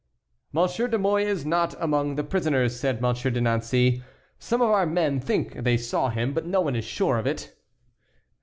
"Monsieur de Mouy is not among the prisoners," said Monsieur de Nancey; "some of our men think they saw him, but no one is sure of it."